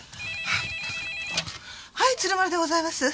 はい鶴丸でございます。